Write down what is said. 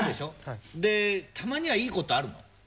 でたまにはいい事あるの？